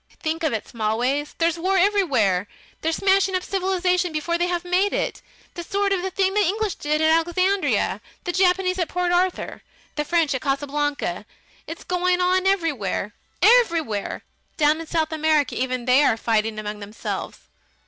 "Think of it, Smallways: there's war everywhere! They're smashing up their civilisation before they have made it. The sort of thing the English did at Alexandria, the Japanese at Port Arthur, the French at Casablanca, is going on everywhere. Everywhere! Down in South America even they are fighting among themselves!